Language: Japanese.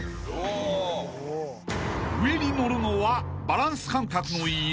［上に乗るのはバランス感覚のいい］